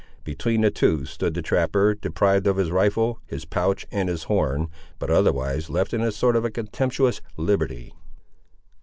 Between the two stood the trapper, deprived of his rifle, his pouch and his horn, but otherwise left in a sort of contemptuous liberty.